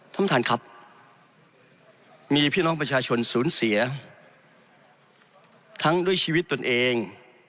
ท่านประธานครับมีพี่น้องประชาชนสูญเสียทั้งด้วยชีวิตตนเอง